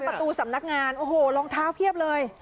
ประตูสำนักงานโอ้โหรองเท้าเพียบเลย